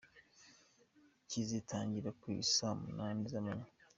Kizatangira ku i saa munani z’amanywa.